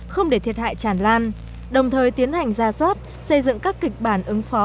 không để thiệt hại chản lan đồng thời tiến hành ra soát xây dựng các kịch bản ứng phó